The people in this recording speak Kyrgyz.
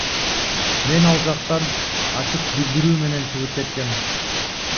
Мен ал жактан ачык билдирүү менен чыгып кеткем.